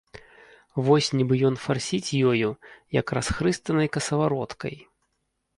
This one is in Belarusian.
Вось нібы ён фарсіць ёю, як расхрыстанай касавароткай.